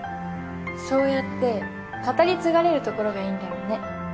そうやって語り継がれるところがいいんだろうね。